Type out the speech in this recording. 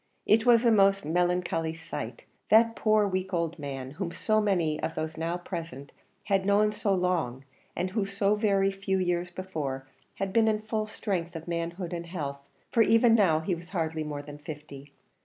It was a most melancholy sight that poor, weak old man, whom so many of those now present had known so long, and who so very few years before had been in the full strength of manhood and health, for even now he was hardly more than fifty.